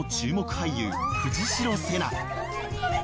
俳優藤代瀬那。